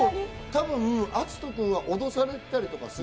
多分、篤斗君は脅されていたりとかする。